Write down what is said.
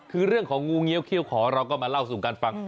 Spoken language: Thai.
คือเรื่องของงูเงี้ยเขี้ยวขอเราก็มาเล่าสู่กันฟัง